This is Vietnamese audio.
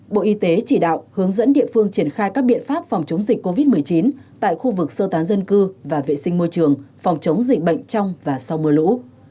bộ y tế chỉ đạo hướng dẫn địa phương triển khai các biện pháp phòng chống dịch covid một mươi chín tại khu vực sơ tán dân cư và vệ sinh môi trường phòng chống dịch bệnh trong và sau mưa lũ